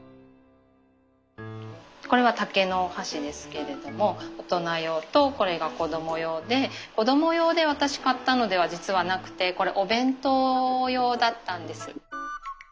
これは竹のお箸ですけれども大人用とこれが子ども用で子ども用で私買ったのでは実はなくてこれお弁当用だったんです。